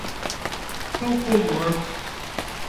Tucumã